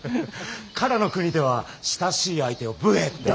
唐の国では親しい相手を武衛って。